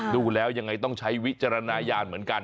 ดูแล้วยังไงต้องใช้วิจารณญาณเหมือนกัน